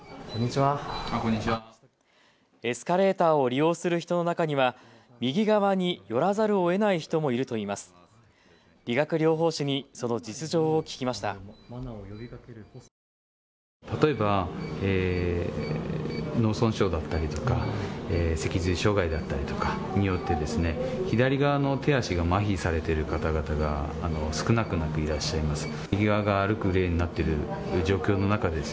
エスカレーターを利用する人の中には右側に寄らざるをえない人もいるといいます。